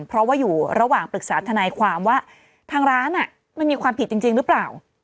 เพราะว่าอยู่ระหว่างปรึกษาทนายความว่าทางร้านมันมีความผิดจริงหรือเปล่า